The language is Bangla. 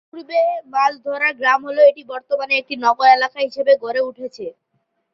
পূর্বে মাছ ধরার গ্রাম হলেও এটি বর্তমানে একটি নগর এলাকা হিসেবে গড়ে উঠেছে।